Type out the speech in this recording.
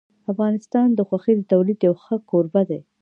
افغانستان د غوښې د تولید یو ښه کوربه دی.